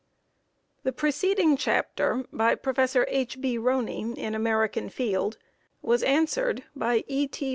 The preceding chapter by Prof. H. B. Roney in American Field, was answered by E. T.